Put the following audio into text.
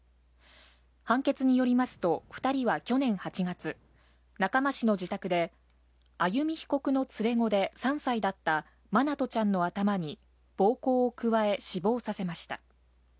判決によりますと、２人は去年８月、中間市の自宅で、歩被告の連れ子で３歳だった愛翔ちゃんの頭に暴行を加え、死亡させました。